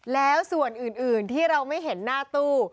แล้วส่วนอื่นที่เราไม่เห็นหน้าตู้